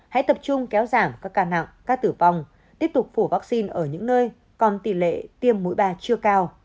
hãy tập trung kéo giảm các ca nặng ca tử vong tiếp tục phổ vaccine ở những nơi còn tỷ lệ tiêm mũi ba chưa cao